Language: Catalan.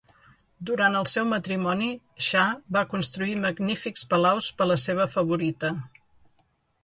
Durant el seu matrimoni, Xa va construir magnífics palaus per a la seva favorita.